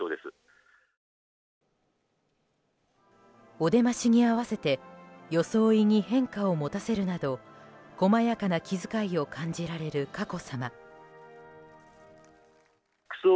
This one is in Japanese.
お出ましに合わせて装いに変化を持たせるなど細やかな気遣いを感じられる佳子さま。